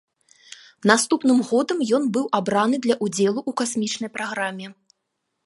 Наступным годам ён быў абраны для ўдзелу ў касмічнай праграме.